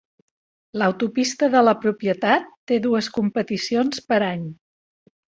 L'autopista de la propietat té dues competicions per any.